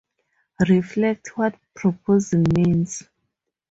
Reflect what proposing means.